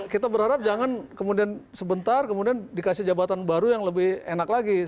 kita berharap jangan kemudian sebentar kemudian dikasih jabatan baru yang lebih enak lagi